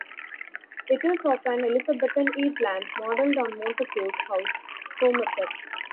It is of an Elizabethan E-plan, modelled on Montacute House, Somerset.